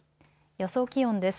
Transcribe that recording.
予想気温です。